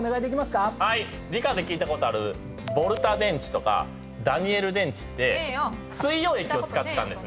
理科で聞いたことあるボルタ電池とかダニエル電池って水溶液を使ってたんですね。